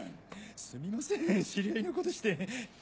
すみません知り合いの子でして。